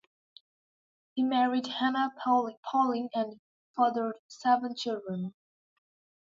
He married Hannah Pawling and fathered seven children.